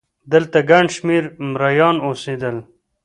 دلته ګڼ شمېر مریان اوسېدل